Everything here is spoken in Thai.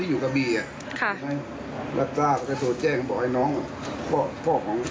ที่มีผลความนิสุทธิ์ผลหมอมา